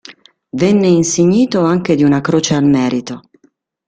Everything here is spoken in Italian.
Venne insignito anche di una croce al merito.